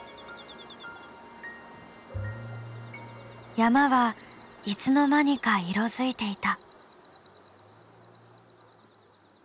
山はいつの間にか色づいていた。